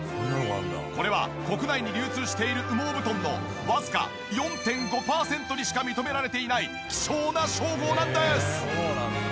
これは国内に流通している羽毛布団のわずか４．５パーセントにしか認められていない希少な称号なんです！